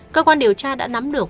cơ quan điều tra đã nắm được